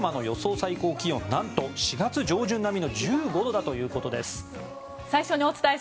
最高気温なんと４月上旬並みの１５度だということです。